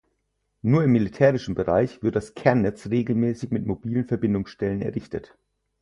Nur im militärischen Bereich wird das Kernnetz regelmäßig mit mobilen Verbindungsstellen errichtet.